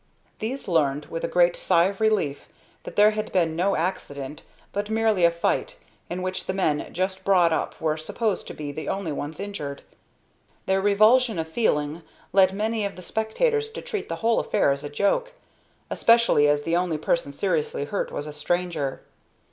These learned with a great sigh of relief that there had been no accident, but merely a fight, in which the men just brought up were supposed to be the only ones injured. Their revulsion of feeling led many of the spectators to treat the whole affair as a joke, especially as the only person seriously hurt was a stranger.